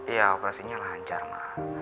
iya operasinya lancar ma